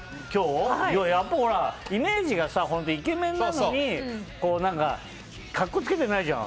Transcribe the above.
やっぱり、イメージがさイケメンなのに格好つけてないじゃん。